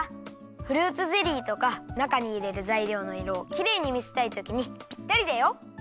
フルーツゼリーとかなかにいれるざいりょうのいろをきれいにみせたいときにぴったりだよ。